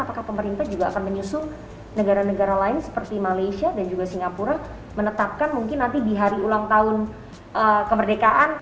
apakah pemerintah juga akan menyusun negara negara lain seperti malaysia dan juga singapura menetapkan mungkin nanti di hari ulang tahun kemerdekaan